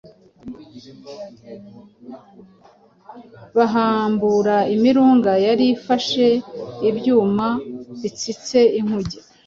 Bahambura imirunga yari ifashe ibyuma bitsitse inkuge